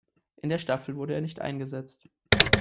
In der Staffel wurde er nicht eingesetzt.